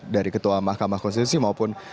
dari ketua mahkamah konstitusi maupun